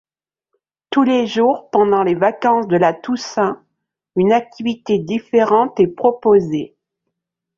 Tous les jours pendant les vacances de la Toussaint, une activité différente est proposée.